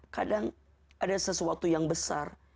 kadang ada sesuatu yang besar